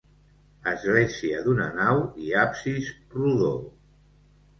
Església d'una nau i absis rodó.